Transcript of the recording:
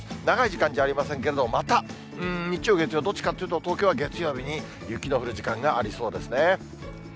長い時間じゃありませんけれども、また日曜、月曜、どっちかっていうと、東京は月曜日に雪の降る時間がありそうですね。